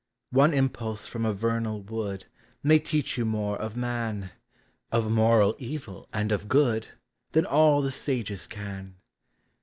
One impulse from a vernal wood May teach you more of man, Of moral evil and of good, Than all the sages can.